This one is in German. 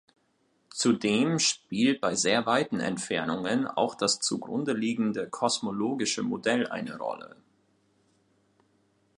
Zudem spielt bei sehr weiten Entfernungen auch das zugrundeliegende kosmologische Modell eine Rolle.